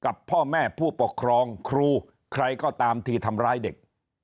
กับพ่อแม่ผู้ปกครองครูใครก็ตามที่ทำร้ายเด็ก